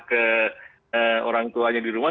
ke orang tuanya di rumah